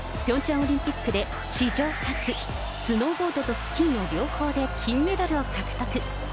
ピョンチャンオリンピックで史上初、スノーボードとスキーの両方で金メダルを獲得。